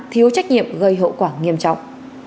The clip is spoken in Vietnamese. thiếu trách nhiệm gây hậu quả nghiêm trọng